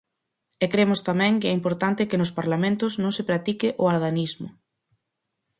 E cremos tamén que é importante que nos parlamentos non se practique o adanismo.